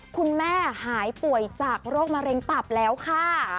คุณแม่หายป่วยจากโรคมะเร็งตับแล้วค่ะ